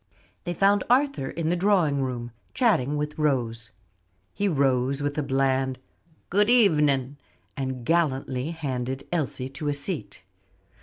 They found Arthur in the drawing room, chatting with Rose. He rose with a bland, "Good evening," and gallantly handed Elsie to a seat.